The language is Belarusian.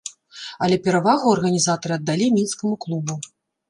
Але перавагу арганізатары аддалі мінскаму клубу.